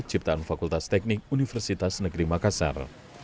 ciptaan fakultas teknik universitas negeri makassar